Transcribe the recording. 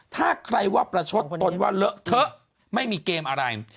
ถ้าใครว่าประชดตนว่าเลอะเถอะไม่มีเกมอะไร